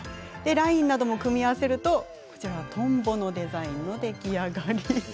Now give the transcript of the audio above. ラインなども組み合わせればトンボのデザインが出来上がり。